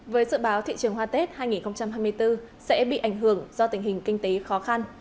với dự báo thị trường hoa tết hai nghìn hai mươi bốn sẽ bị ảnh hưởng do tình hình kinh tế khó khăn